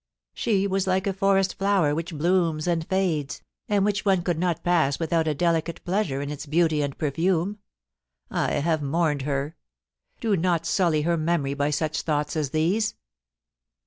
She was like a forest flower which blooms and fades, and which one could not pass without a delicate pleasure in its beauty and perfume. I have mourned for her. Do not suUy her memory by such thoughts as these.'